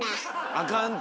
あかんて。